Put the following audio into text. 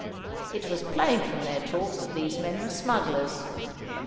It was plain from their talk that these men were smugglers.